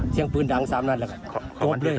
เซียงปืนดัง๓นัดนะครับ